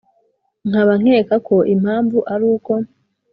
nkaba nkeka ko impamvu ari uko